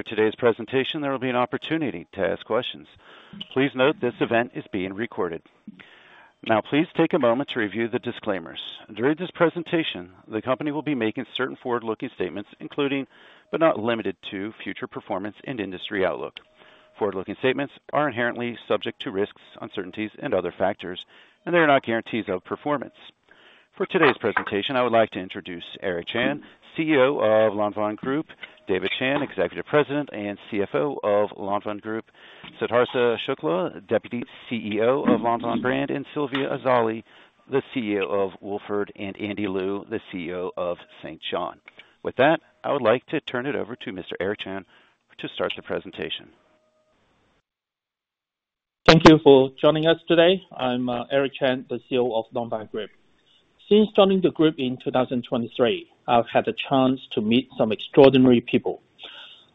After today's presentation, there will be an opportunity to ask questions. Please note this event is being recorded. Now, please take a moment to review the disclaimers. During this presentation, the company will be making certain forward-looking statements, including, but not limited to, future performance and industry outlook. Forward-looking statements are inherently subject to risks, uncertainties, and other factors, and they are not guarantees of performance. For today's presentation, I would like to introduce Eric Chan, CEO of Lanvin Group, David Chan, Executive President and CFO of Lanvin Group, Siddhartha Shukla, Deputy CEO of Lanvin brand, and Silvia Azzali, the CEO of Wolford, and Andy Lew, the CEO of St. John. With that, I would like to turn it over to Mr. Eric Chan to start the presentation. Thank you for joining us today. I'm Eric Chan, the CEO of Lanvin Group. Since joining the group in 2023, I've had the chance to meet some extraordinary people.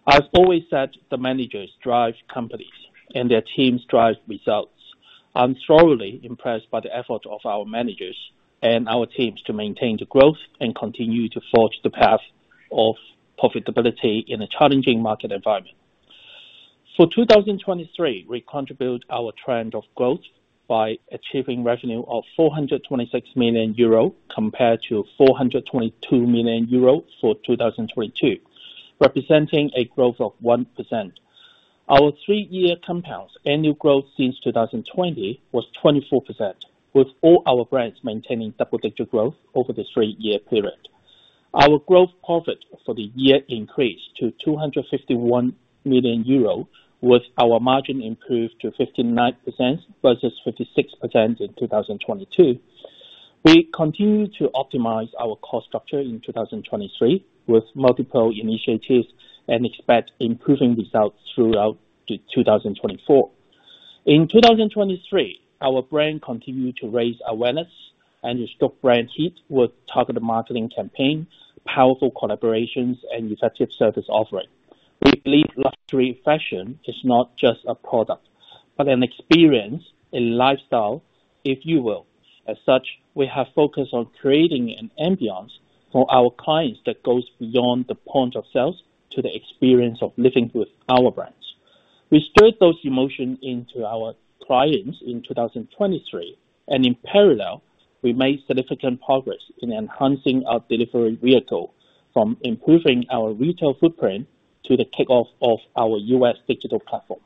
I've always said the managers drive companies, and their teams drive results. I'm thoroughly impressed by the effort of our managers and our teams to maintain the growth and continue to forge the path of profitability in a challenging market environment. For 2023, we contribute our trend of growth by achieving revenue of 426 million euro compared to 422 million euro for 2022, representing a growth of 1%. Our three-year compound annual growth since 2020 was 24%, with all our brands maintaining double-digit growth over the three-year period. Our gross profit for the year increased to 251 million euro, with our margin improved to 59% versus 56% in 2022. We continue to optimize our cost structure in 2023 with multiple initiatives and expect improving results throughout 2024. In 2023, our brand continued to raise awareness and restore brand heat with targeted marketing campaigns, powerful collaborations, and effective service offering. We believe luxury fashion is not just a product but an experience, a lifestyle, if you will. As such, we have focused on creating an ambiance for our clients that goes beyond the point of sales to the experience of living with our brands. We stirred those emotions into our clients in 2023, and in parallel, we made significant progress in enhancing our delivery vehicle, from improving our retail footprint to the kickoff of our U.S. digital platform.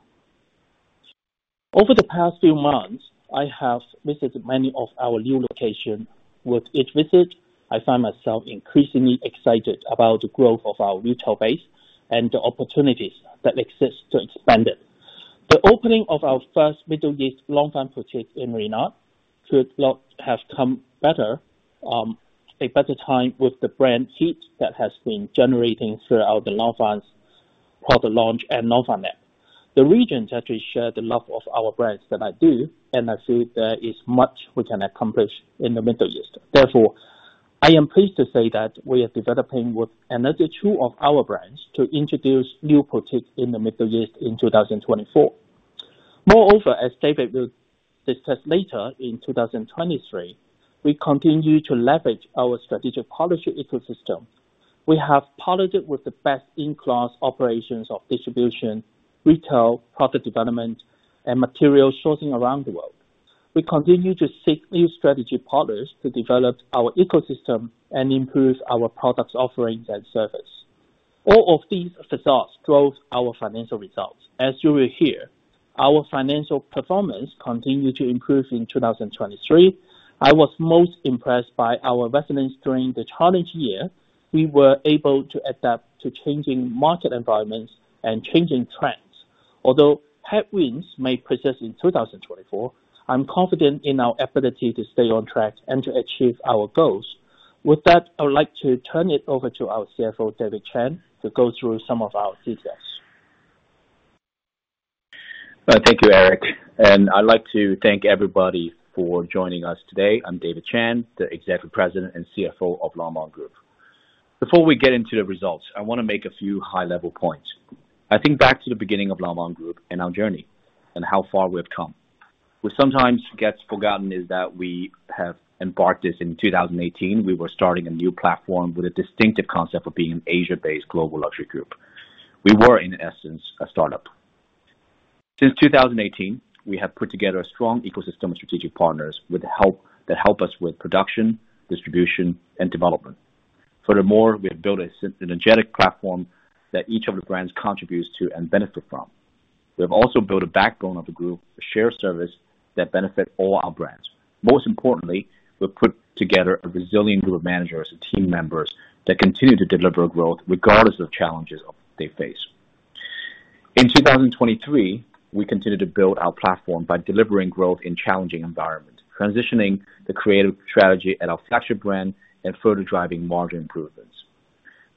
Over the past few months, I have visited many of our new locations. With each visit, I find myself increasingly excited about the growth of our retail base and the opportunities that exist to expand it. The opening of our first Middle East Lanvin boutique in Riyadh could not have come at a better time with the brand heat that has been generating throughout the Lanvin product launch and Lanvin app. The region actually shares the love of our brands that I do, and I feel there is much we can accomplish in the Middle East. Therefore, I am pleased to say that we are developing with another two of our brands to introduce new boutiques in the Middle East in 2024. Moreover, as David will discuss later, in 2023, we continue to leverage our strategic policy ecosystem. We have partnered with the best-in-class operations of distribution, retail, product development, and material sourcing around the world. We continue to seek new strategy partners to develop our ecosystem and improve our product offerings and service. All of these facets drove our financial results. As you will hear, our financial performance continued to improve in 2023. I was most impressed by our resilience during the challenging year. We were able to adapt to changing market environments and changing trends. Although headwinds may persist in 2024, I'm confident in our ability to stay on track and to achieve our goals. With that, I would like to turn it over to our CFO, David Chan, to go through some of our details. Thank you, Eric. I'd like to thank everybody for joining us today. I'm David Chan, the Executive President and CFO of Lanvin Group. Before we get into the results, I want to make a few high-level points. I think back to the beginning of Lanvin Group and our journey and how far we've come. What sometimes gets forgotten is that we have embarked this in 2018. We were starting a new platform with a distinctive concept of being an Asia-based global luxury group. We were, in essence, a startup. Since 2018, we have put together a strong ecosystem of strategic partners that help us with production, distribution, and development. Furthermore, we have built a synergetic platform that each of the brands contributes to and benefit from. We have also built a backbone of the group, a shared service that benefits all our brands. Most importantly, we've put together a resilient group of managers and team members that continue to deliver growth regardless of the challenges they face. In 2023, we continue to build our platform by delivering growth in challenging environments, transitioning the creative strategy at our flagship brand, and further driving margin improvements.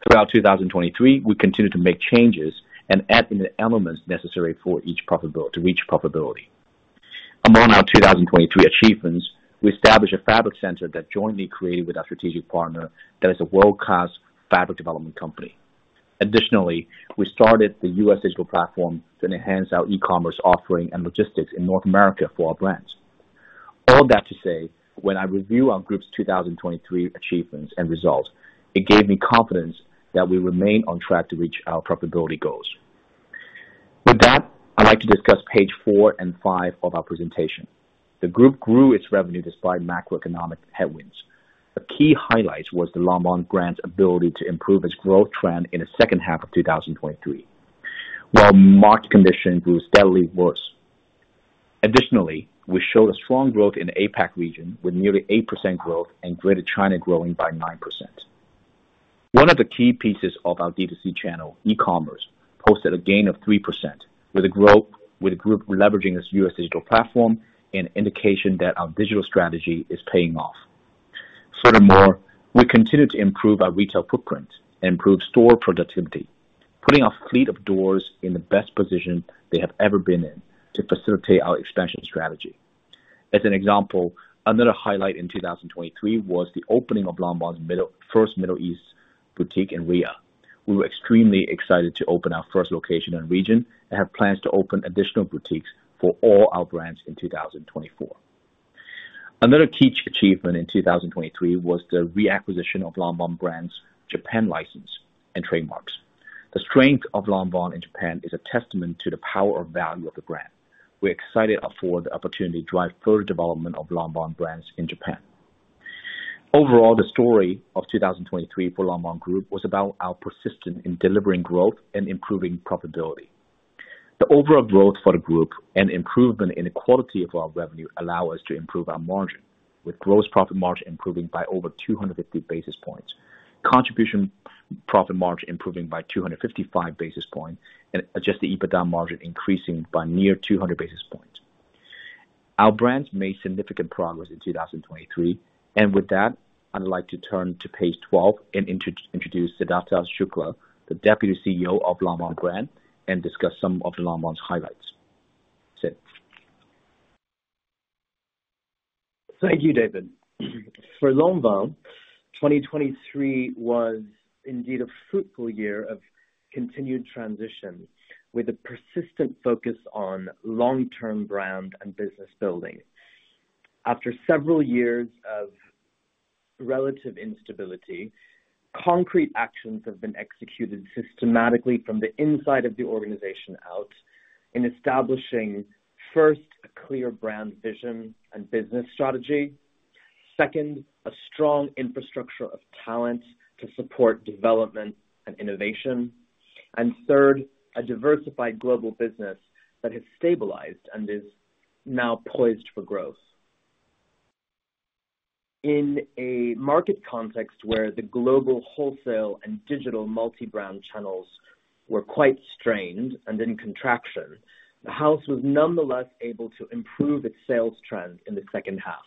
Throughout 2023, we continue to make changes and add in the elements necessary to reach profitability. Among our 2023 achievements, we established a fabric center that jointly created with our strategic partner that is a world-class fabric development company. Additionally, we started the U.S. digital platform to enhance our e-commerce offering and logistics in North America for our brands. All that to say, when I review our group's 2023 achievements and results, it gave me confidence that we remain on track to reach our profitability goals. With that, I'd like to discuss page four and five of our presentation. The group grew its revenue despite macroeconomic headwinds. A key highlight was the Lanvin brand's ability to improve its growth trend in the second half of 2023, while market conditions grew steadily worse. Additionally, we showed a strong growth in the APAC region, with nearly 8% growth and Greater China growing by 9%. One of the key pieces of our D2C channel, e-commerce, posted a gain of 3%, with the group leveraging this U.S. digital platform, an indication that our digital strategy is paying off. Furthermore, we continue to improve our retail footprint and improve store productivity, putting our fleet of doors in the best position they have ever been in to facilitate our expansion strategy. As an example, another highlight in 2023 was the opening of Lanvin's first Middle East boutique in Riyadh. We were extremely excited to open our first location in the region and have plans to open additional boutiques for all our brands in 2024. Another key achievement in 2023 was the reacquisition of Lanvin brand's Japan license and trademarks. The strength of Lanvin in Japan is a testament to the power and value of the brand. We're excited for the opportunity to drive further development of Lanvin brands in Japan. Overall, the story of 2023 for Lanvin Group was about our persistence in delivering growth and improving profitability. The overall growth for the group and improvement in the quality of our revenue allow us to improve our margin, with gross profit margin improving by over 250 basis points, contribution profit margin improving by 255 basis points, and adjusted EBITDA margin increasing by near 200 basis points. Our brands made significant progress in 2023. With that, I'd like to turn to page 12 and introduce Siddhartha Shukla, the Deputy CEO of Lanvin brand, and discuss some of Lanvin's highlights. Thank you, David. For Lanvin, 2023 was indeed a fruitful year of continued transition, with a persistent focus on long-term brand and business building. After several years of relative instability, concrete actions have been executed systematically from the inside of the organization out, in establishing, first, a clear brand vision and business strategy, second, a strong infrastructure of talent to support development and innovation, and third, a diversified global business that has stabilized and is now poised for growth. In a market context where the global wholesale and digital multi-brand channels were quite strained and in contraction, the house was nonetheless able to improve its sales trend in the second half,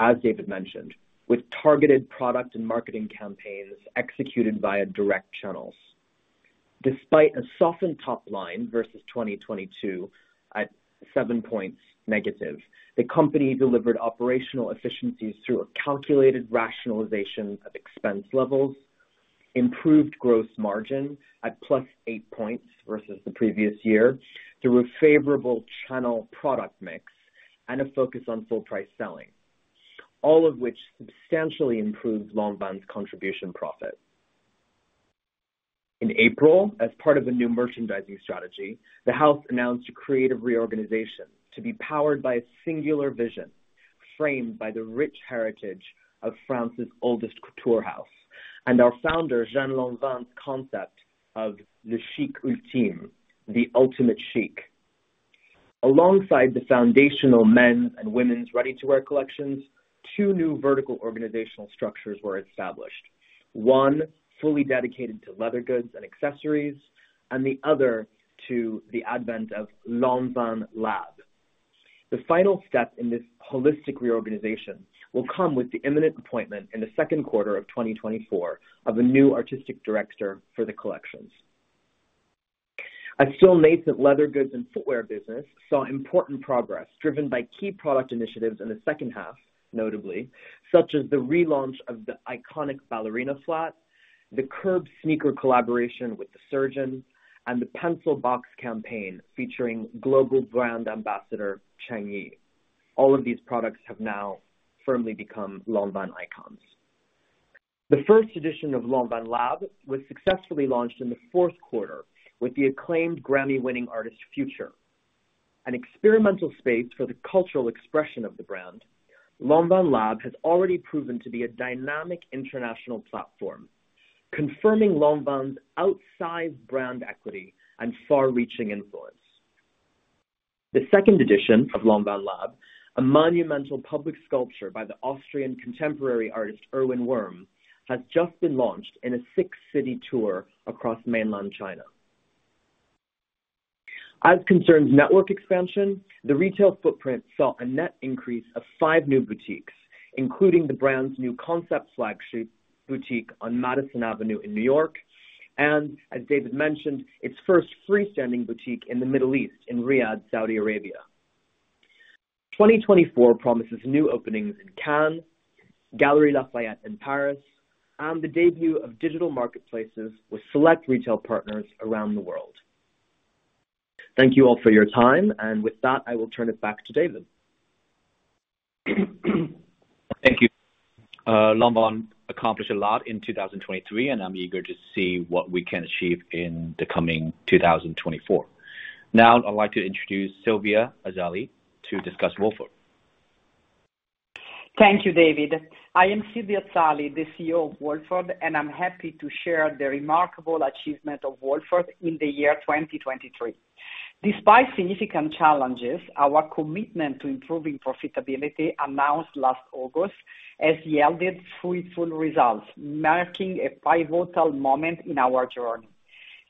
as David mentioned, with targeted product and marketing campaigns executed via direct channels. Despite a softened top line versus 2022 at -7 points, the company delivered operational efficiencies through a calculated rationalization of expense levels, improved gross margin at +8 points versus the previous year through a favorable channel product mix, and a focus on full-price selling, all of which substantially improved Lanvin's contribution profit. In April, as part of a new merchandising strategy, the house announced a creative reorganization to be powered by a singular vision framed by the rich heritage of France's oldest couture house and our founder Jeanne Lanvin's concept of le chic ultime, the ultimate chic. Alongside the foundational men's and women's ready-to-wear collections, two new vertical organizational structures were established, one fully dedicated to leather goods and accessories, and the other to the advent of Lanvin Lab. The final step in this holistic reorganization will come with the imminent appointment in the second quarter of 2024 of a new artistic director for the collections. A still nascent leather goods and footwear business saw important progress driven by key product initiatives in the second half, notably, such as the relaunch of the iconic ballerina flat, the Curb sneaker collaboration with The Surgeon, and the Pencil Box campaign featuring global brand ambassador Cheng Yi. All of these products have now firmly become Lanvin icons. The first edition of Lanvin Lab was successfully launched in the fourth quarter with the acclaimed Grammy-winning artist Future. An experimental space for the cultural expression of the brand, Lanvin Lab has already proven to be a dynamic international platform, confirming Lanvin's outsized brand equity and far-reaching influence. The second edition of Lanvin Lab, a monumental public sculpture by the Austrian contemporary artist Erwin Wurm, has just been launched in a six-city tour across mainland China. As concerns network expansion, the retail footprint saw a net increase of five new boutiques, including the brand's new concept flagship boutique on Madison Avenue in New York and, as David mentioned, its first freestanding boutique in the Middle East in Riyadh, Saudi Arabia. 2024 promises new openings in Cannes, Galeries Lafayette in Paris, and the debut of digital marketplaces with select retail partners around the world. Thank you all for your time. With that, I will turn it back to David. Thank you. Lanvin accomplished a lot in 2023, and I'm eager to see what we can achieve in the coming 2024. Now, I'd like to introduce Silvia Azzali to discuss Wolford. Thank you, David. I am Silvia Azzali, the CEO of Wolford, and I'm happy to share the remarkable achievement of Wolford in the year 2023. Despite significant challenges, our commitment to improving profitability announced last August has yielded fruitful results, marking a pivotal moment in our journey.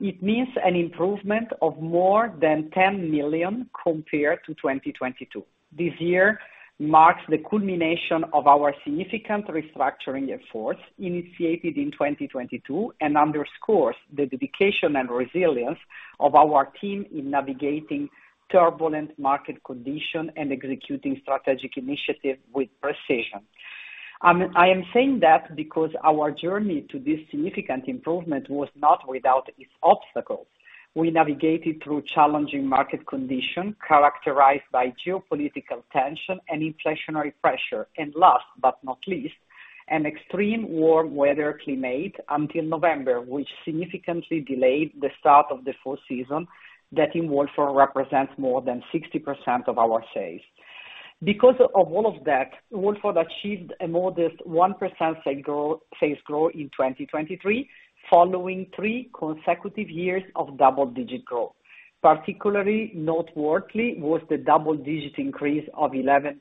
It means an improvement of more than 10 million compared to 2022. This year marks the culmination of our significant restructuring efforts initiated in 2022 and underscores the dedication and resilience of our team in navigating turbulent market conditions and executing strategic initiatives with precision. I am saying that because our journey to this significant improvement was not without its obstacles. We navigated through challenging market conditions characterized by geopolitical tension and inflationary pressure, and last but not least, an extreme warm weather climate until November, which significantly delayed the start of the full season that in Wolford represents more than 60% of our sales. Because of all of that, Wolford achieved a modest 1% sales growth in 2023, following three consecutive years of double-digit growth. Particularly noteworthy was the double-digit increase of 11%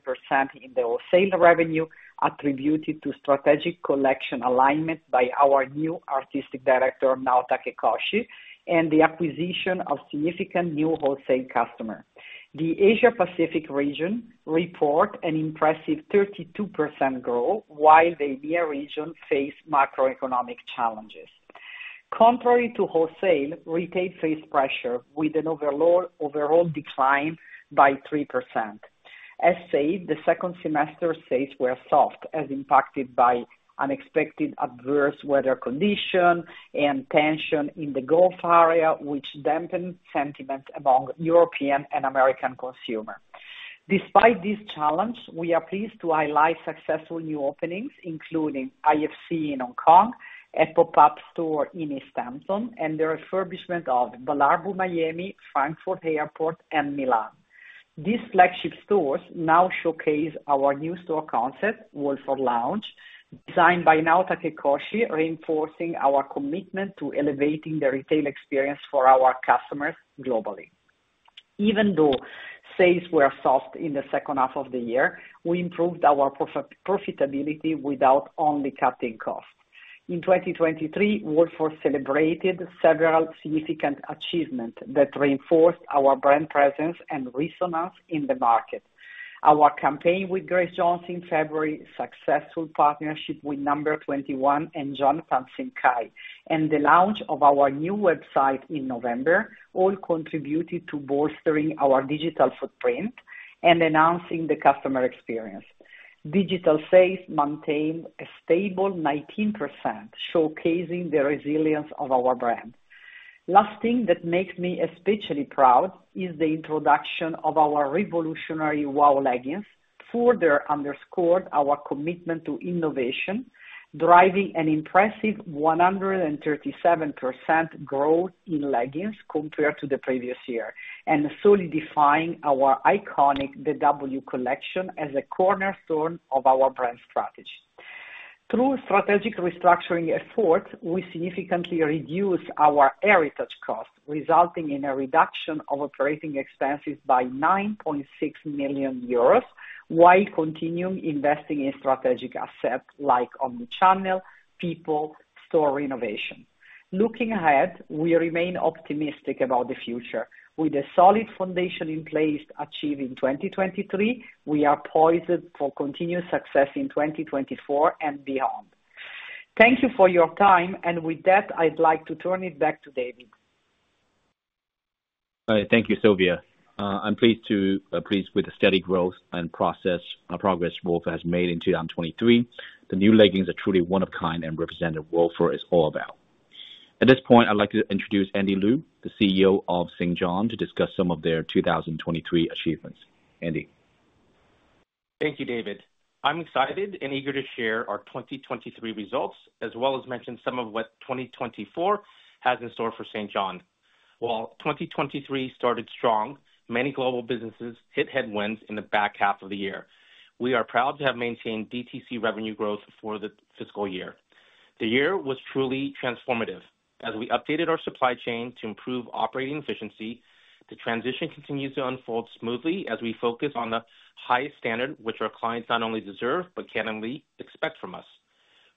in the wholesale revenue attributed to strategic collection alignment by our new artistic director, Nao Takekoshi, and the acquisition of significant new wholesale customers. The Asia-Pacific region reported an impressive 32% growth, while the EMEA region faced macroeconomic challenges. Contrary to wholesale, retail faced pressure, with an overall decline by 3%. As said, the second semester's sales were soft, as impacted by unexpected adverse weather conditions and tension in the Gulf area, which dampened sentiments among European and American consumers. Despite these challenges, we are pleased to highlight successful new openings, including IFC in Hong Kong, a pop-up store in East Hampton, and the refurbishment of Bal Harbour Miami, Frankfurt Airport, and Milan. These flagship stores now showcase our new store concept, Wolford Lounge, designed by Nao Takekoshi, reinforcing our commitment to elevating the retail experience for our customers globally. Even though sales were soft in the second half of the year, we improved our profitability without only cutting costs. In 2023, Wolford celebrated several significant achievements that reinforced our brand presence and resonance in the market. Our campaign with Grace Jones in February, successful partnership with No. 21 and Jonathan Simkhai, and the launch of our new website in November, all contributed to bolstering our digital footprint and enhancing the customer experience. Digital sales maintained a stable 19%, showcasing the resilience of our brand. Last thing that makes me especially proud is the introduction of our revolutionary W.O.W. leggings, further underscored our commitment to innovation, driving an impressive 137% growth in leggings compared to the previous year and solidifying our iconic The W collection as a cornerstone of our brand strategy. Through strategic restructuring efforts, we significantly reduced our heritage costs, resulting in a reduction of operating expenses by 9.6 million euros, while continuing to invest in strategic assets like omnichannel, people, and store renovation. Looking ahead, we remain optimistic about the future. With a solid foundation in place achieved in 2023, we are poised for continued success in 2024 and beyond. Thank you for your time. With that, I'd like to turn it back to David. All right. Thank you, Silvia. I'm pleased with the steady growth and progress Wolford has made in 2023. The new leggings are truly one of a kind and represent what Wolford is all about. At this point, I'd like to introduce Andy Lew, the CEO of St. John, to discuss some of their 2023 achievements. Andy. Thank you, David. I'm excited and eager to share our 2023 results, as well as mention some of what 2024 has in store for St. John. While 2023 started strong, many global businesses hit headwinds in the back half of the year. We are proud to have maintained DTC revenue growth for the fiscal year. The year was truly transformative. As we updated our supply chain to improve operating efficiency, the transition continues to unfold smoothly as we focus on the highest standards, which our clients not only deserve but can only expect from us.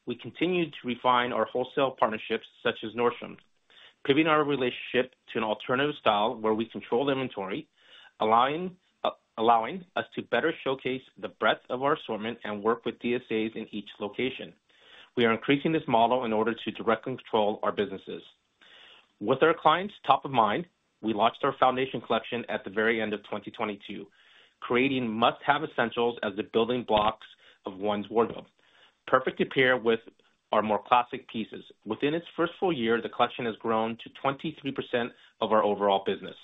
We continue to refine our wholesale partnerships, such as Nordstrom, pivoting our relationship to an alternative style where we control inventory, allowing us to better showcase the breadth of our assortment and work with DSAs in each location. We are increasing this model in order to directly control our businesses. With our clients top of mind, we launched our Foundation collection at the very end of 2022, creating must-have essentials as the building blocks of one's wardrobe, perfect to pair with our more classic pieces. Within its first full year, the collection has grown to 23% of our overall business.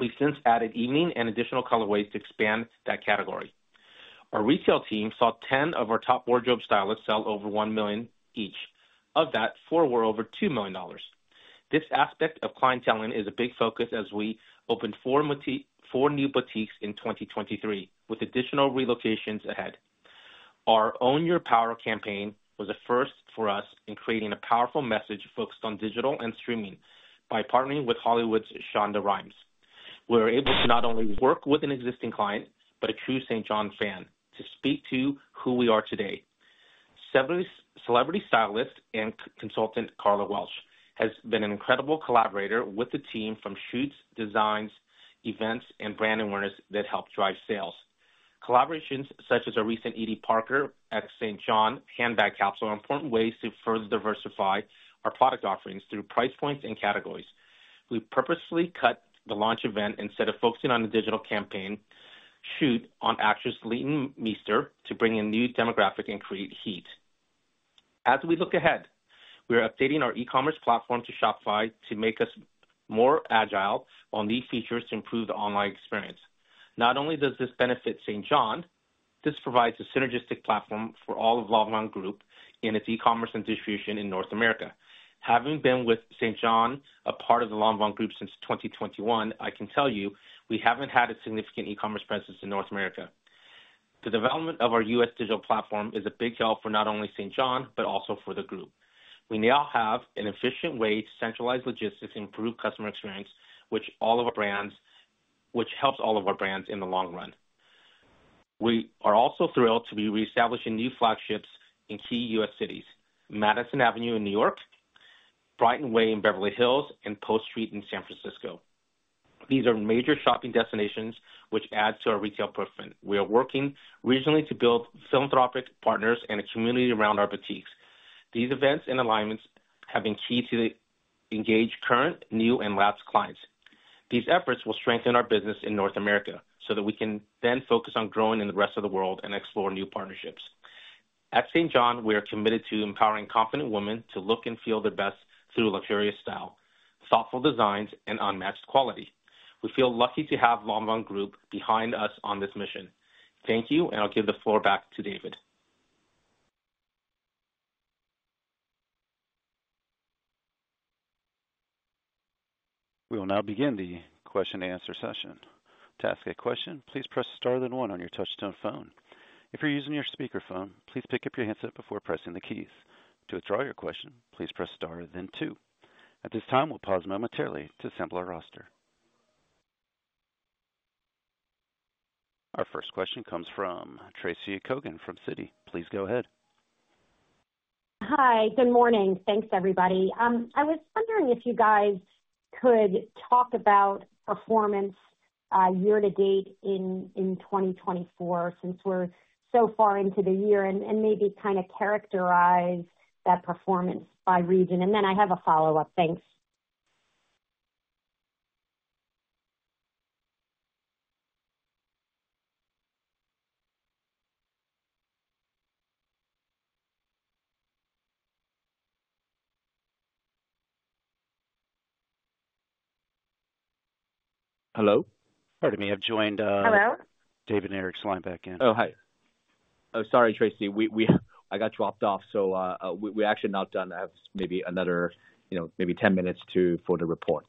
We've since added evening and additional colorways to expand that category. Our retail team saw 10 of our top wardrobe stylists sell over $1 million each. Of that, four were over $2 million. This aspect of clientele is a big focus as we opened four new boutiques in 2023, with additional relocations ahead. Our Own Your Power campaign was a first for us in creating a powerful message focused on digital and streaming by partnering with Hollywood's Shonda Rhimes. We were able to not only work with an existing client but a true St. St. John to speak to who we are today. Celebrity stylist and consultant Karla Welch has been an incredible collaborator with the team from shoots, designs, events, and brand awareness that helped drive sales. Collaborations such as our recent Edie Parker at St. John handbag capsule are important ways to further diversify our product offerings through price points and categories. We purposely cut the launch event instead of focusing on a digital campaign shoot on actress Leighton Meester to bring in new demographic and create heat. As we look ahead, we are updating our e-commerce platform to Shopify to make us more agile on these features to improve the online experience. Not only does this benefit St. John, this provides a synergistic platform for all of Lanvin Group in its e-commerce and distribution in North America. Having been with St. John, a part of the Lanvin Group since 2021, I can tell you we haven't had a significant e-commerce presence in North America. The development of our U.S. digital platform is a big help for not only St. John but also for the group. We now have an efficient way to centralize logistics and improve customer experience, which helps all of our brands in the long run. We are also thrilled to be reestablishing new flagships in key U.S. cities: Madison Avenue in New York, Brighton Way in Beverly Hills, and Post Street in San Francisco. These are major shopping destinations, which add to our retail footprint. We are working regionally to build philanthropic partners and a community around our boutiques. These events and alignments have been key to engage current, new, and last clients. These efforts will strengthen our business in North America so that we can then focus on growing in the rest of the world and explore new partnerships. At St. John, we are committed to empowering confident women to look and feel their best through luxurious style, thoughtful designs, and unmatched quality. We feel lucky to have Lanvin Group behind us on this mission. Thank you, and I'll give the floor back to David. We will now begin the question-and-answer session. To ask a question, please press star then one on your touch-tone phone. If you're using your speakerphone, please pick up your handset before pressing the keys. To withdraw your question, please press star then two. At this time, we'll pause momentarily to assemble our roster. Our first question comes from Tracy Kogan from Citi. Please go ahead. Hi. Good morning. Thanks, everybody. I was wondering if you guys could talk about performance year to date in 2024 since we're so far into the year and maybe kind of characterize that performance by region? And then I have a follow-up. Thanks. Hello? Pardon me. I've joined. Hello? David and Eric sliding back in. Oh, hi. Oh, sorry, Tracy. I got dropped off, so we're actually not done. I have maybe another maybe 10 minutes for the reports.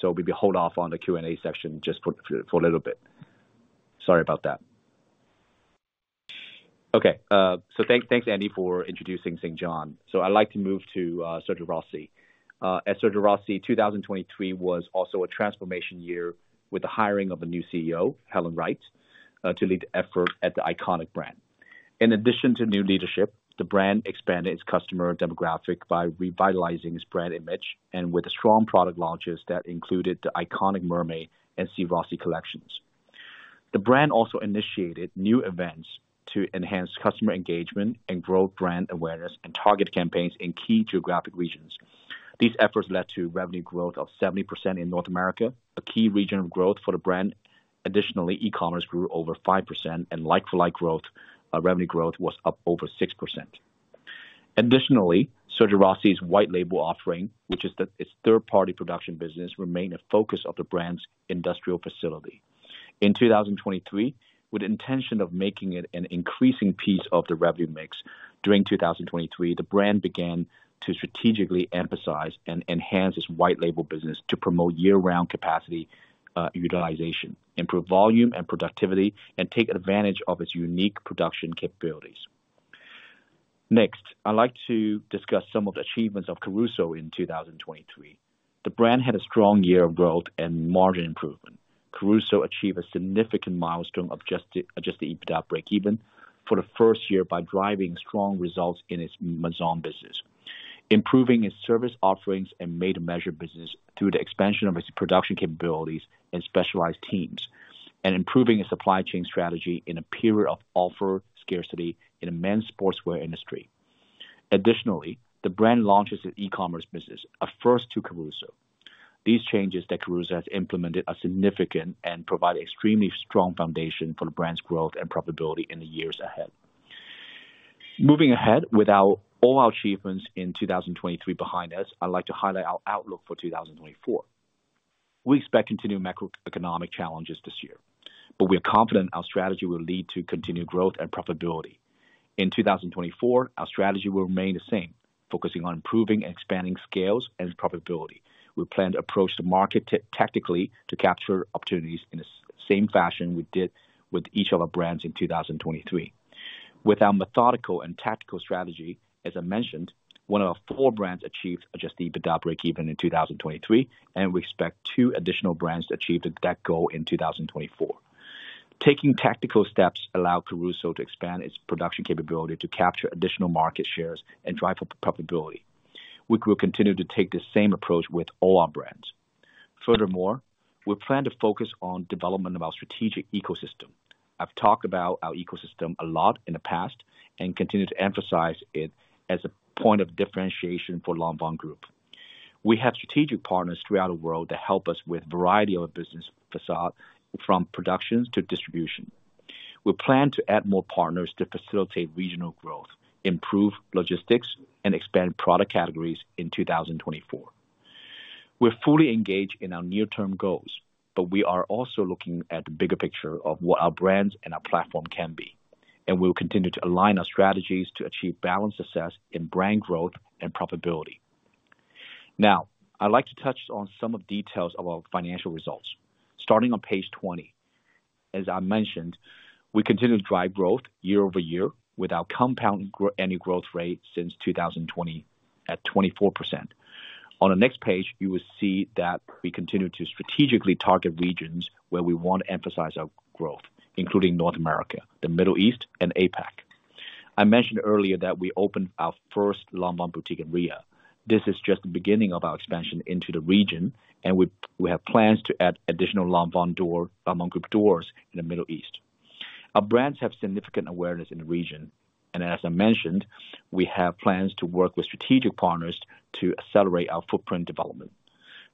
So maybe hold off on the Q&A section just for a little bit. Sorry about that. Okay. So thanks, Andy, for introducing St. John. So I'd like to move to Sergio Rossi. As Sergio Rossi, 2023 was also a transformation year with the hiring of a new CEO, Helen Wright, to lead the effort at the iconic brand. In addition to new leadership, the brand expanded its customer demographic by revitalizing its brand image and with strong product launches that included the iconic Mermaid and SI ROSSI collections. The brand also initiated new events to enhance customer engagement and grow brand awareness and targeted campaigns in key geographic regions. These efforts led to revenue growth of 70% in North America, a key region of growth for the brand. Additionally, e-commerce grew over 5%, and like-for-like revenue growth was up over 6%. Additionally, Sergio Rossi's white label offering, which is its third-party production business, remained a focus of the brand's industrial facility. In 2023, with the intention of making it an increasing piece of the revenue mix, during 2023, the brand began to strategically emphasize and enhance its white label business to promote year-round capacity utilization, improve volume and productivity, and take advantage of its unique production capabilities. Next, I'd like to discuss some of the achievements of Caruso in 2023. The brand had a strong year of growth and margin improvement. Caruso achieved a significant milestone of Adjusted EBITDA break-even for the first year by driving strong results in its Maison business, improving its service offerings and made-to-measure business through the expansion of its production capabilities and specialized teams, and improving its supply chain strategy in a period of offering scarcity in the men's sportswear industry. Additionally, the brand launches its e-commerce business, a first to Caruso. These changes that Caruso has implemented are significant and provide an extremely strong foundation for the brand's growth and profitability in the years ahead. Moving ahead, with all our achievements in 2023 behind us, I'd like to highlight our outlook for 2024. We expect continued macroeconomic challenges this year, but we are confident our strategy will lead to continued growth and profitability. In 2024, our strategy will remain the same, focusing on improving and expanding scales and profitability. We plan to approach the market tactically to capture opportunities in the same fashion we did with each of our brands in 2023. With our methodical and tactical strategy, as I mentioned, one of our four brands achieved Adjusted EBITDA break-even in 2023, and we expect two additional brands to achieve that goal in 2024. Taking tactical steps allows Caruso to expand its production capability to capture additional market shares and drive for profitability. We will continue to take the same approach with all our brands. Furthermore, we plan to focus on the development of our strategic ecosystem. I've talked about our ecosystem a lot in the past and continue to emphasize it as a point of differentiation for Lanvin Group. We have strategic partners throughout the world that help us with a variety of our business facade, from productions to distribution. We plan to add more partners to facilitate regional growth, improve logistics, and expand product categories in 2024. We're fully engaged in our near-term goals, but we are also looking at the bigger picture of what our brands and our platform can be, and we will continue to align our strategies to achieve balanced success in brand growth and profitability. Now, I'd like to touch on some of the details of our financial results. Starting on page 20, as I mentioned, we continue to drive growth year over year without compounding any growth rate since 2020 at 24%. On the next page, you will see that we continue to strategically target regions where we want to emphasize our growth, including North America, the Middle East, and APAC. I mentioned earlier that we opened our first Lanvin boutique in Riyadh. This is just the beginning of our expansion into the region, and we have plans to add additional Lanvin Group doors in the Middle East. Our brands have significant awareness in the region, and as I mentioned, we have plans to work with strategic partners to accelerate our footprint development.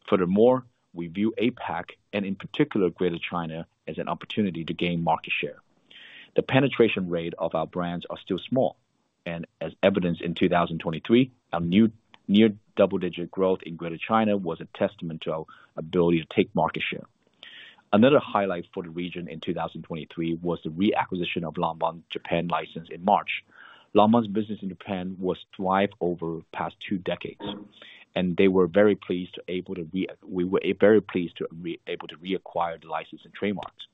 Furthermore, we view APAC and, in particular, Greater China as an opportunity to gain market share. The penetration rate of our brands is still small, and as evidenced in 2023, our near-double-digit growth in Greater China was a testament to our ability to take market share. Another highlight for the region in 2023 was the reacquisition of Lanvin Japan license in March. Lanvin's business in Japan was thriving over the past two decades, and they were very pleased to be able to reacquire the license and trademarks.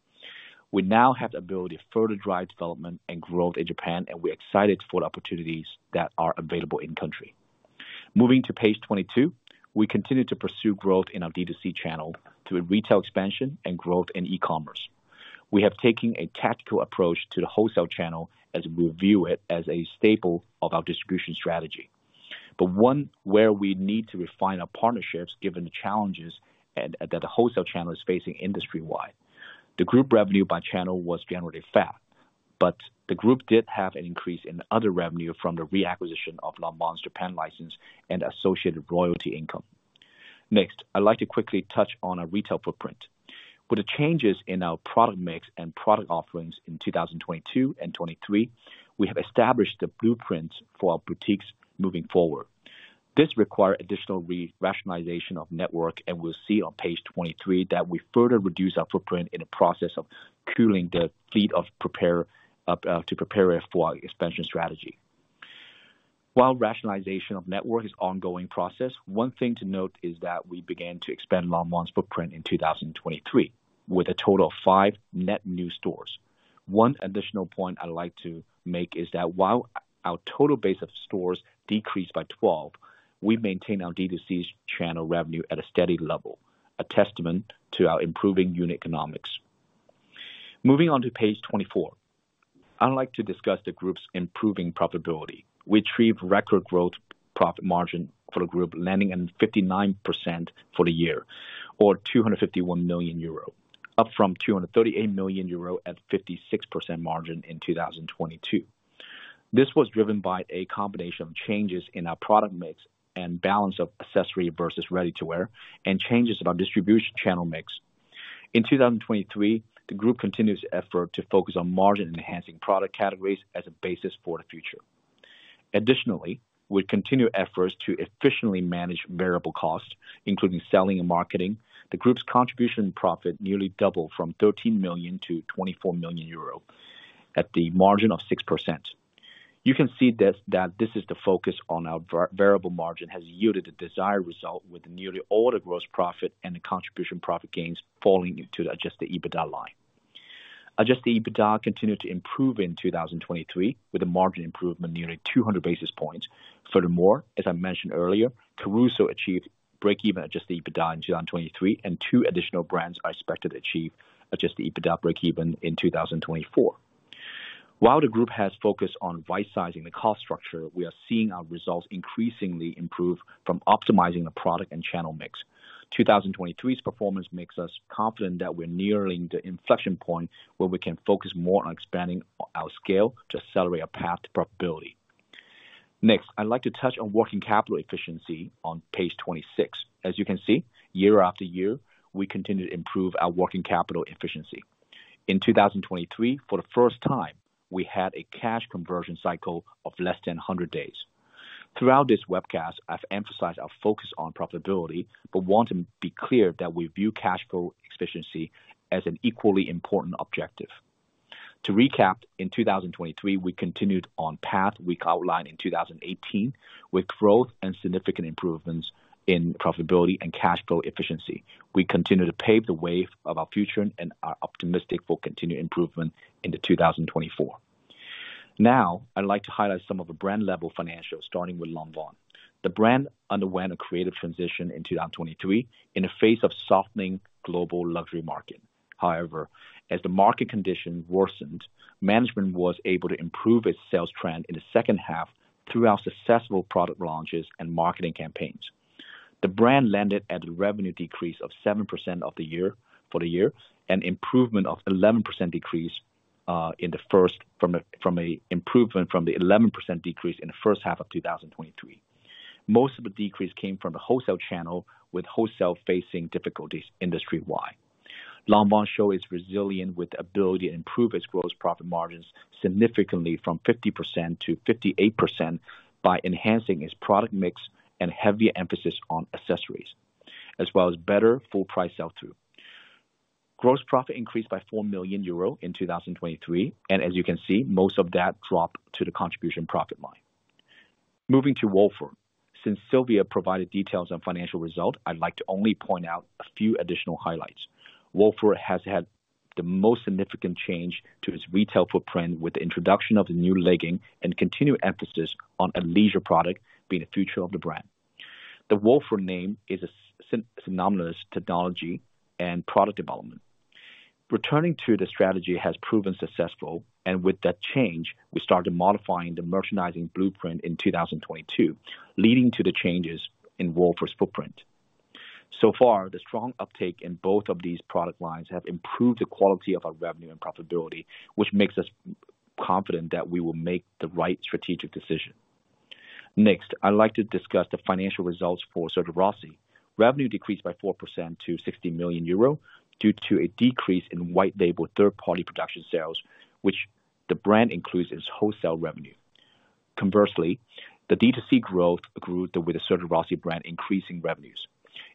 We now have the ability to further drive development and growth in Japan, and we're excited for the opportunities that are available in-country. Moving to page 22, we continue to pursue growth in our DTC channel through retail expansion and growth in e-commerce. We have taken a tactical approach to the wholesale channel as we view it as a staple of our distribution strategy, but one where we need to refine our partnerships given the challenges that the wholesale channel is facing industry-wide. The group revenue by channel was generally flat, but the group did have an increase in other revenue from the reacquisition of Lanvin's Japan license and associated royalty income. Next, I'd like to quickly touch on our retail footprint. With the changes in our product mix and product offerings in 2022 and 2023, we have established the blueprints for our boutiques moving forward. This requires additional rationalization of network, and we'll see on page 23 that we further reduce our footprint in the process of culling the fleet to prepare it for our expansion strategy. While rationalization of network is an ongoing process, one thing to note is that we began to expand Lanvin's footprint in 2023 with a total of five net new stores. One additional point I'd like to make is that while our total base of stores decreased by 12, we maintain our DTC channel revenue at a steady level, a testament to our improving unit economics. Moving on to page 24, I'd like to discuss the group's improving profitability. We achieved record gross profit margin for the group landing at 59% for the year, or 251 million euro, up from 238 million euro at a 56% margin in 2022. This was driven by a combination of changes in our product mix and balance of accessory versus ready-to-wear, and changes in our distribution channel mix. In 2023, the group continues its efforts to focus on margin-enhancing product categories as a basis for the future. Additionally, with continued efforts to efficiently manage variable costs, including selling and marketing, the group's contribution profit nearly doubled from 13 million to 24 million euro at a margin of 6%. You can see that this is the focus on our variable margin has yielded the desired result, with nearly all the gross profit and the contribution profit gains falling into the Adjusted EBITDA line. Adjusted EBITDA continued to improve in 2023 with a margin improvement of nearly 200 basis points. Furthermore, as I mentioned earlier, Caruso achieved break-even Adjusted EBITDA in 2023, and two additional brands are expected to achieve Adjusted EBITDA break-even in 2024. While the group has focused on right-sizing the cost structure, we are seeing our results increasingly improve from optimizing the product and channel mix. 2023's performance makes us confident that we're nearing the inflection point where we can focus more on expanding our scale to accelerate our path to profitability. Next, I'd like to touch on working capital efficiency on page 26. As you can see, year after year, we continue to improve our working capital efficiency. In 2023, for the first time, we had a cash conversion cycle of less than 100 days. Throughout this webcast, I've emphasized our focus on profitability but want to be clear that we view cash flow efficiency as an equally important objective. To recap, in 2023, we continued on the path we outlined in 2018 with growth and significant improvements in profitability and cash flow efficiency. We continue to pave the way for our future and are optimistic for continued improvement in 2024. Now, I'd like to highlight some of the brand-level financials, starting with Lanvin. The brand underwent a creative transition in 2023 in the face of a softening global luxury market. However, as the market conditions worsened, management was able to improve its sales trend in the second half through successful product launches and marketing campaigns. The brand landed at a revenue decrease of 7% for the year and an improvement of 11% from the 11% decrease in the first half of 2023. Most of the decrease came from the wholesale channel, with wholesale facing difficulties industry-wide. Lanvin shows its resilience with the ability to improve its gross profit margins significantly from 50% to 58% by enhancing its product mix and heavier emphasis on accessories, as well as better full-price sell-through. Gross profit increased by 4 million euro in 2023, and as you can see, most of that dropped to the contribution profit line. Moving to Wolford. Since Silvia provided details on financial results, I'd like to only point out a few additional highlights. Wolford has had the most significant change to its retail footprint with the introduction of the new legging and continued emphasis on athleisure product being the future of the brand. The Wolford name is synonymous with technology and product development. Returning to the strategy has proven successful, and with that change, we started modifying the merchandising blueprint in 2022, leading to the changes in Wolford's footprint. So far, the strong uptake in both of these product lines has improved the quality of our revenue and profitability, which makes us confident that we will make the right strategic decision. Next, I'd like to discuss the financial results for Sergio Rossi. Revenue decreased by 4% to 60 million euro due to a decrease in white label third-party production sales, which the brand includes in its wholesale revenue. Conversely, the DTC growth grew with the Sergio Rossi brand increasing revenues,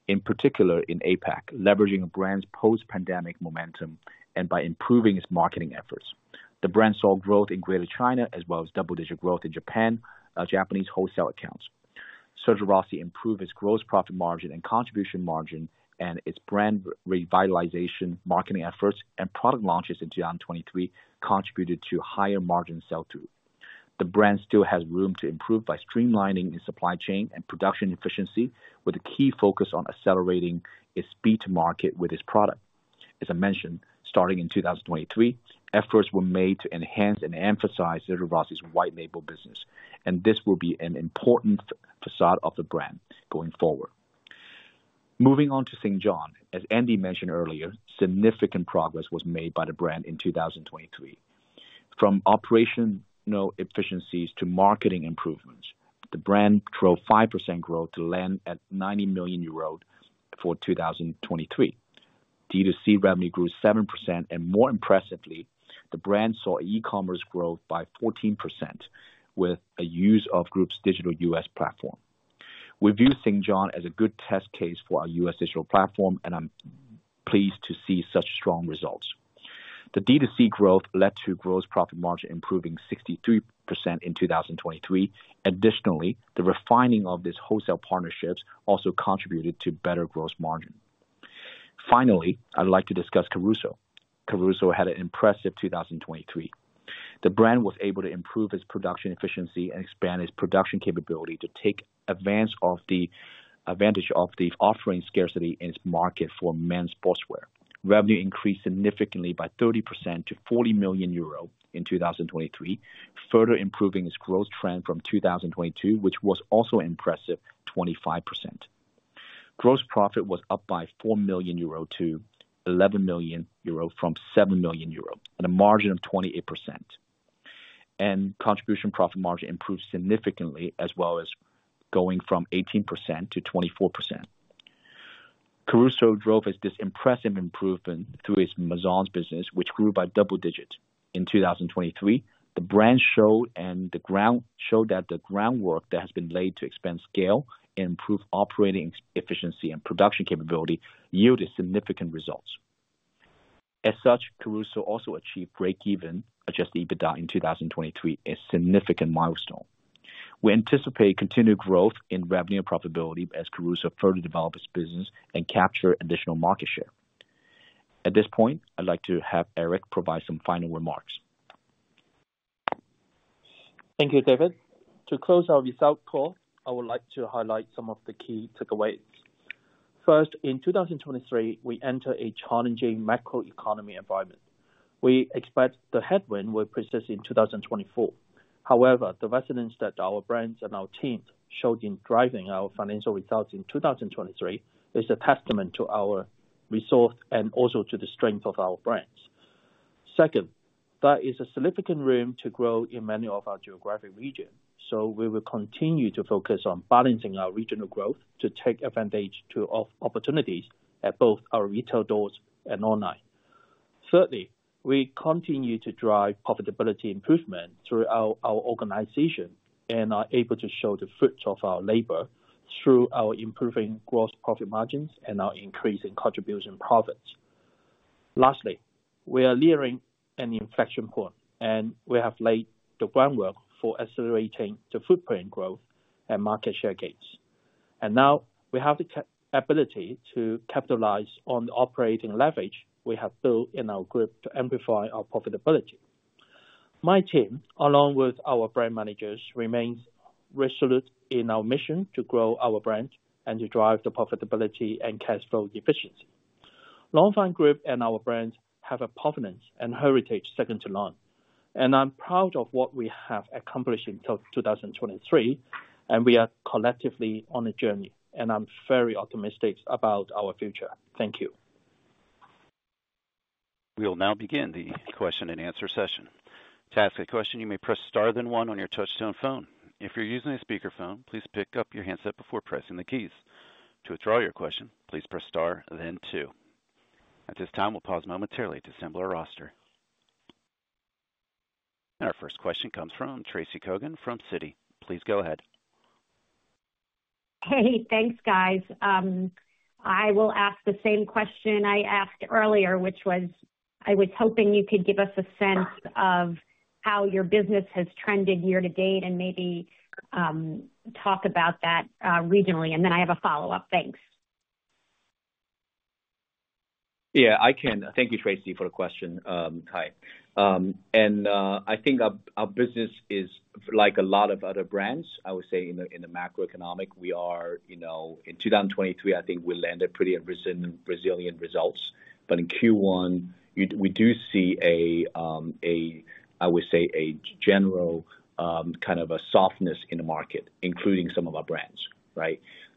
in particular in APAC, leveraging the brand's post-pandemic momentum and by improving its marketing efforts. The brand saw growth in Greater China as well as double-digit growth in Japanese wholesale accounts. Sergio Rossi improved its gross profit margin and contribution margin, and its brand revitalization marketing efforts and product launches in 2023 contributed to higher margin sell-through. The brand still has room to improve by streamlining its supply chain and production efficiency, with a key focus on accelerating its speed to market with its product. As I mentioned, starting in 2023, efforts were made to enhance and emphasize Sergio Rossi's white label business, and this will be an important facade of the brand going forward. Moving on to St. John, as Andy mentioned earlier, significant progress was made by the brand in 2023. From operational efficiencies to marketing improvements, the brand drove 5% growth to land at 90 million euros for 2023. DTC revenue grew 7%, and more impressively, the brand saw e-commerce growth by 14% with the use of the group's digital U.S. platform. We view St. John as a good test case for our U.S. digital platform, and I'm pleased to see such strong results. The DTC growth led to gross profit margin improving 63% in 2023. Additionally, the refining of these wholesale partnerships also contributed to better gross margin. Finally, I'd like to discuss Caruso. Caruso had an impressive 2023. The brand was able to improve its production efficiency and expand its production capability to take advantage of the offering scarcity in its market for men's sportswear. Revenue increased significantly by 30% to 40 million euro in 2023, further improving its growth trend from 2022, which was also an impressive 25%. Gross profit was up by 4 million euro to 11 million euro from 7 million euro and a margin of 28%, and contribution profit margin improved significantly, as well as going from 18% to 24%. Caruso drove this impressive improvement through its Maison business, which grew by double digits. In 2023, the brand showed that the groundwork that has been laid to expand scale and improve operating efficiency and production capability yielded significant results. As such, Caruso also achieved break-even Adjusted EBITDA in 2023, a significant milestone. We anticipate continued growth in revenue and profitability as Caruso further develops its business and captures additional market share. At this point, I'd like to have Eric provide some final remarks. Thank you, David. To close our results call, I would like to highlight some of the key takeaways. First, in 2023, we entered a challenging macroeconomic environment. We expect the headwind will persist in 2024. However, the resilience that our brands and our teams showed in driving our financial results in 2023 is a testament to our resources and also to the strength of our brands. Second, there is significant room to grow in many of our geographic regions, so we will continue to focus on balancing our regional growth to take advantage of opportunities at both our retail doors and online. Thirdly, we continue to drive profitability improvement throughout our organization and are able to show the fruits of our labor through our improving gross profit margins and our increase in contribution profits. Lastly, we are nearing an inflection point, and we have laid the groundwork for accelerating the footprint growth and market share gains. Now, we have the ability to capitalize on the operating leverage we have built in our group to amplify our profitability. My team, along with our brand managers, remains resolute in our mission to grow our brand and to drive the profitability and cash flow efficiency. Lanvin Group and our brand have a provenance and heritage second to none, and I'm proud of what we have accomplished in 2023, and we are collectively on a journey, and I'm very optimistic about our future. Thank you. We will now begin the question and answer session. To ask a question, you may press star one on your touch-tone phone. If you're using a speakerphone, please pick up your handset before pressing the keys. To withdraw your question, please press star two. At this time, we'll pause momentarily to assemble our roster. Our first question comes from Tracy Kogan from Citi. Please go ahead. Hey, thanks, guys. I will ask the same question I asked earlier, which was I was hoping you could give us a sense of how your business has trended year to date and maybe talk about that regionally, and then I have a follow-up. Thanks. Yeah, I can. Thank you, Tracy, for the question. Hi. I think our business is like a lot of other brands, I would say, in the macroeconomic. In 2023, I think we landed pretty resilient results, but in Q1, we do see a, I would say, a general kind of softness in the market, including some of our brands.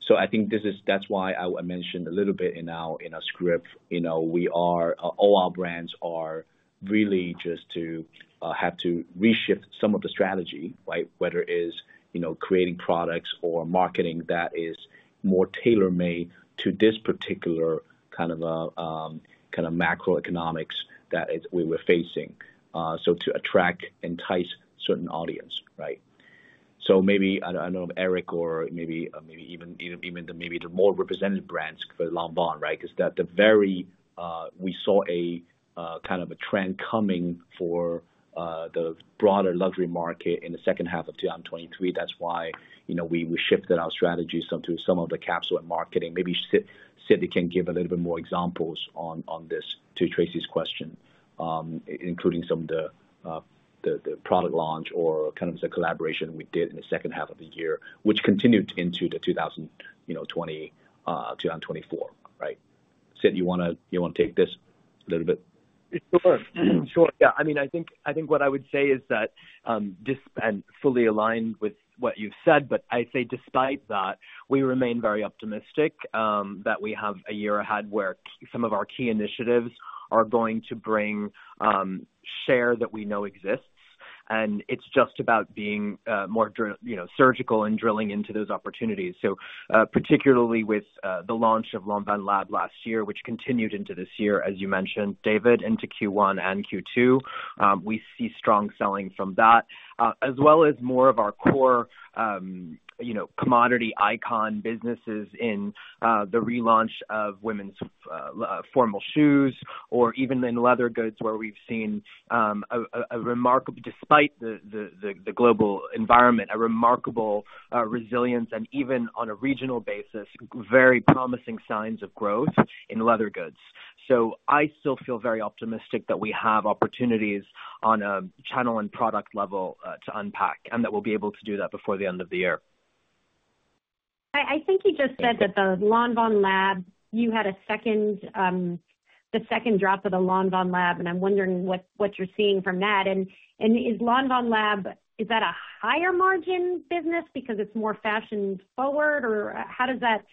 So I think that's why I mentioned a little bit in our script, all our brands are really just to have to reshift some of the strategy, whether it's creating products or marketing that is more tailor-made to this particular kind of macroeconomics that we're facing, so to attract and entice a certain audience. So maybe I don't know if Eric or maybe even the more representative brands for Lanvin, because we saw a kind of trend coming for the broader luxury market in the second half of 2023. That's why we shifted our strategies to some of the capsule and marketing. Maybe Sid can give a little bit more examples on this to Tracy's question, including some of the product launch or kind of the collaboration we did in the second half of the year, which continued into 2024. Sid, you want to take this a little bit? Sure. Sure. Yeah. I mean, I think what I would say is that fully aligned with what you've said, but I'd say despite that, we remain very optimistic that we have a year ahead where some of our key initiatives are going to bring share that we know exists, and it's just about being more surgical and drilling into those opportunities. So particularly with the launch of Lanvin Lab last year, which continued into this year, as you mentioned, David, into Q1 and Q2, we see strong selling from that, as well as more of our core commodity icon businesses in the relaunch of women's formal shoes or even in leather goods where we've seen, despite the global environment, a remarkable resilience and even on a regional basis, very promising signs of growth in leather goods. I still feel very optimistic that we have opportunities on a channel and product level to unpack, and that we'll be able to do that before the end of the year. I think you just said that the Lanvin Lab, you had the second drop of the Lanvin Lab, and I'm wondering what you're seeing from that. Is Lanvin Lab, is that a higher margin business because it's more fashion-forward, or how does that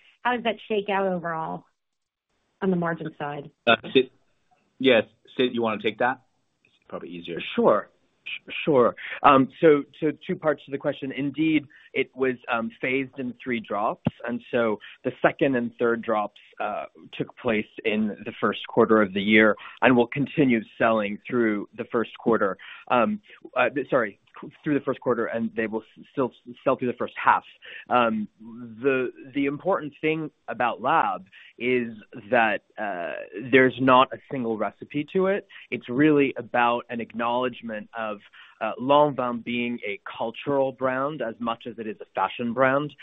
shake out overall on the margin side? Yes. Sid, you want to take that? It's probably easier. Sure. Sure. So two parts to the question. Indeed, it was phased in three drops, and so the second and third drops took place in the first quarter of the year and will continue selling through the first quarter sorry, through the first quarter, and they will still sell through the first half. The important thing about Lab is that there's not a single recipe to it. It's really about an acknowledgment of Lanvin being a cultural brand as much as it is a fashion brand.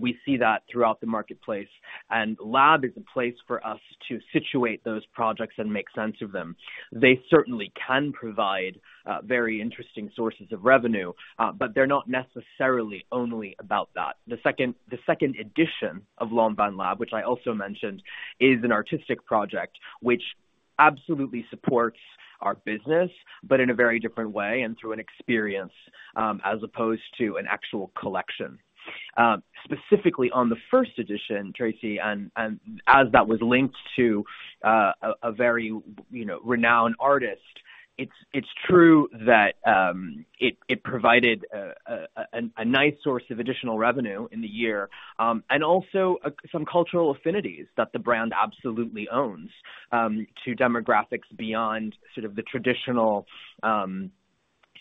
We see that throughout the marketplace, and Lab is a place for us to situate those projects and make sense of them. They certainly can provide very interesting sources of revenue, but they're not necessarily only about that. The second edition of Lanvin Lab, which I also mentioned, is an artistic project which absolutely supports our business, but in a very different way and through an experience as opposed to an actual collection. Specifically on the first edition, Tracy, and as that was linked to a very renowned artist, it's true that it provided a nice source of additional revenue in the year and also some cultural affinities that the brand absolutely owns to demographics beyond sort of the traditional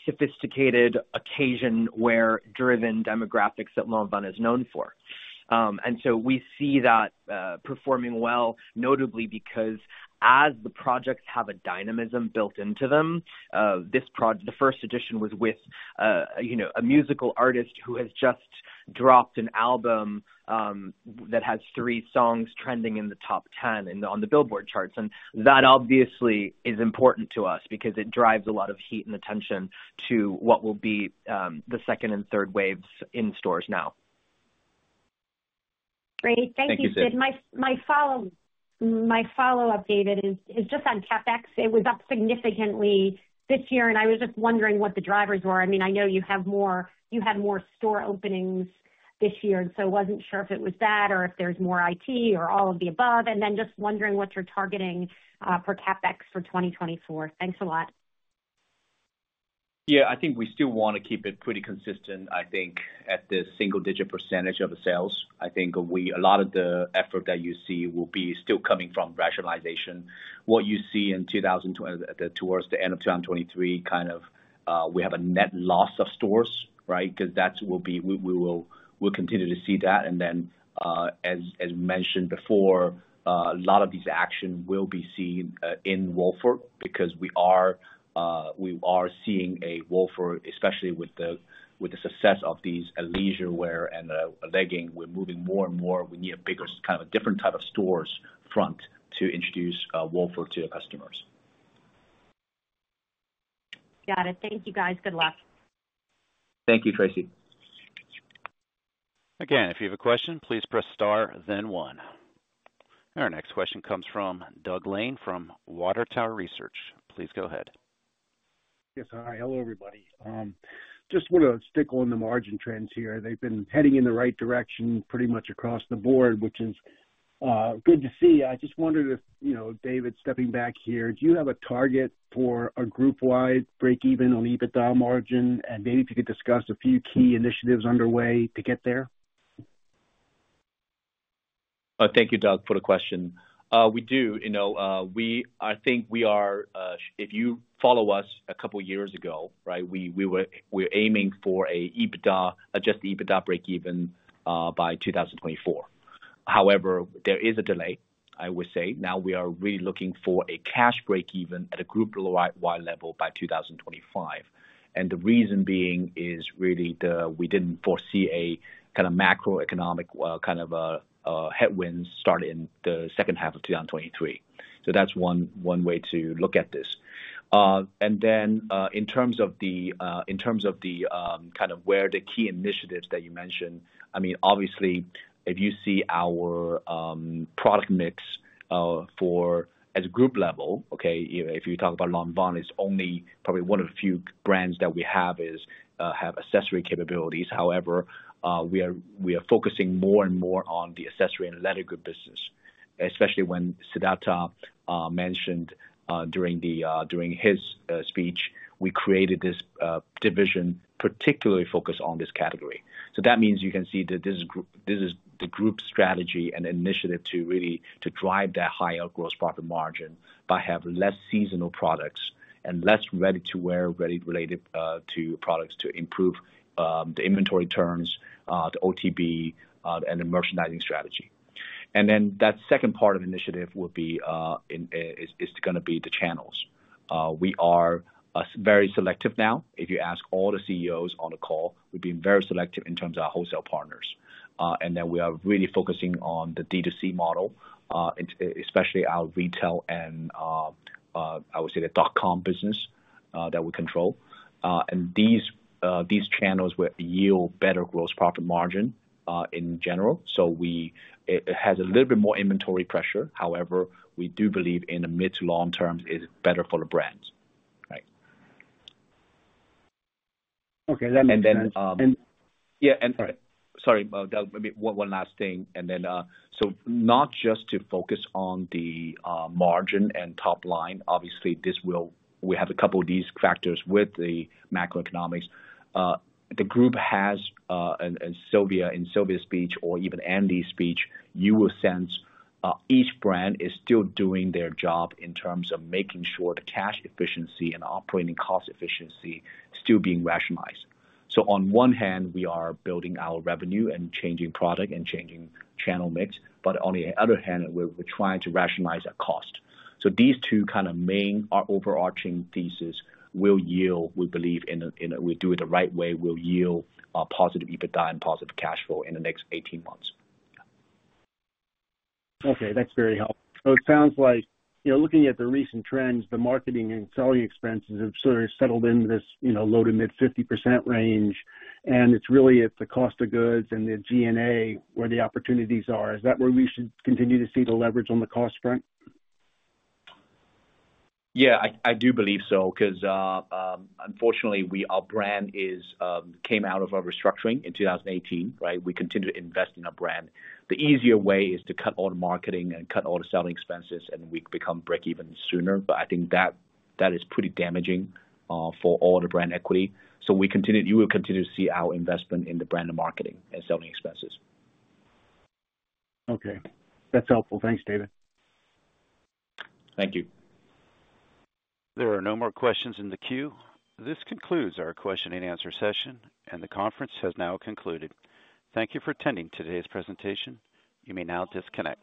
sophisticated occasion-wear-driven demographics that Lanvin is known for. And so we see that performing well, notably because as the projects have a dynamism built into them, the first edition was with a musical artist who has just dropped an album that has three songs trending in the top 10 on the Billboard charts. That obviously is important to us because it drives a lot of heat and attention to what will be the second and third waves in stores now. Great. Thank you, Sid. My follow-up, David, is just on CapEx. It was up significantly this year, and I was just wondering what the drivers were. I mean, I know you had more store openings this year, and so I wasn't sure if it was that or if there's more IT or all of the above. And then just wondering what you're targeting for CapEx for 2024. Thanks a lot. Yeah, I think we still want to keep it pretty consistent, I think, at this single-digit % of sales. I think a lot of the effort that you see will be still coming from rationalization. What you see towards the end of 2023, kind of we have a net loss of stores because we'll continue to see that. And then, as mentioned before, a lot of these actions will be seen in Wolford because we are seeing a Wolford, especially with the success of these leisurewear and leggings. We're moving more and more. We need a bigger kind of a different type of storefront to introduce Wolford to our customers. Got it. Thank you, guys. Good luck. Thank you, Tracy. Again, if you have a question, please press star one. Our next question comes from Doug Lane from WaterTower Research. Please go ahead. Yes. Hi. Hello, everybody. Just want to stick on the margin trends here. They've been heading in the right direction pretty much across the board, which is good to see. I just wondered if, David, stepping back here, do you have a target for a group-wide break-even on EBITDA margin? And maybe if you could discuss a few key initiatives underway to get there. Thank you, Doug, for the question. We do. I think we are, if you follow us a couple of years ago, we were aiming for an Adjusted EBITDA break-even by 2024. However, there is a delay, I would say. Now, we are really looking for a cash break-even at a group-wide level by 2025. And the reason being is really we didn't foresee a kind of macroeconomic kind of headwinds starting in the second half of 2023. So that's one way to look at this. And then in terms of the kind of where the key initiatives that you mentioned, I mean, obviously, if you see our product mix as a group level, okay, if you talk about Lanvin, it's only probably one of the few brands that we have accessory capabilities. However, we are focusing more and more on the accessory and leather goods business, especially when Siddhartha mentioned during his speech, we created this division particularly focused on this category. So that means you can see that this is the group strategy and initiative to really drive that higher gross profit margin by having less seasonal products and less ready-to-wear related to products to improve the inventory turns, the OTB, and the merchandising strategy. And then that second part of the initiative is going to be the channels. We are very selective now. If you ask all the CEOs on the call, we've been very selective in terms of our wholesale partners. And then we are really focusing on the D2C model, especially our retail and, I would say, the dot-com business that we control. And these channels will yield better gross profit margin in general. So it has a little bit more inventory pressure. However, we do believe in the mid to long term, it's better for the brands. Okay. That makes sense. Then yeah. Sorry, Doug, maybe one last thing. Not just to focus on the margin and top line, obviously, we have a couple of these factors with the macroeconomics. The group has, in Silvia's speech or even Andy's speech, you will sense each brand is still doing their job in terms of making sure the cash efficiency and operating cost efficiency is still being rationalized. So on one hand, we are building our revenue and changing product and changing channel mix, but on the other hand, we're trying to rationalize our cost. So these two kind of main overarching theses will yield, we believe, in a we do it the right way, will yield positive EBITDA and positive cash flow in the next 18 months. Okay. That's very helpful. So it sounds like looking at the recent trends, the marketing and selling expenses have sort of settled into this low- to mid-50% range, and it's really at the cost of goods and the G&A where the opportunities are. Is that where we should continue to see the leverage on the cost front? Yeah, I do believe so because, unfortunately, our brand came out of our restructuring in 2018. We continued to invest in our brand. The easier way is to cut all the marketing and cut all the selling expenses, and we become break-even sooner. But I think that is pretty damaging for all the brand equity. So you will continue to see our investment in the brand and marketing and selling expenses. Okay. That's helpful. Thanks, David. Thank you. There are no more questions in the queue. This concludes our question-and-answer session, and the conference has now concluded. Thank you for attending today's presentation. You may now disconnect.